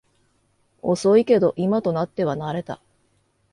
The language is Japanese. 遅いけど今となっては慣れた